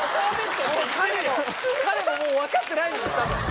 彼ももう分かってないんです。